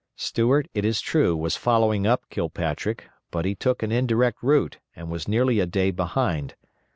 Stuart, it is true, was following up Kilpatrick, but he took an indirect route and was nearly a day behind.